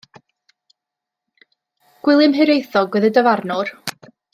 Gwilym Hiraethog oedd y dyfarnwr.